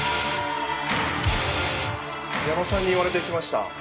矢野さんに言われて来ました。